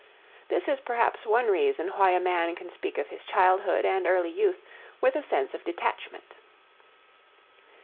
This is perhaps one reason why a man can speak of his childhood and early youth with a sense of detachment.